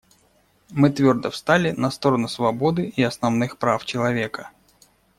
Мы твердо встали на сторону свободу и основных прав человека.